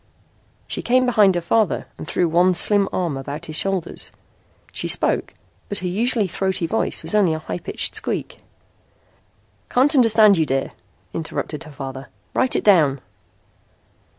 She came behind her father and threw one slim arm about his shoulders. She spoke, but her usually throaty voice was only a high pitched squeak. "Can't understand you, dear," interrupted her father. "Write it down."